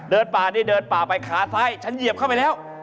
ป่านี่เดินป่าไปขาซ้ายฉันเหยียบเข้าไปแล้ว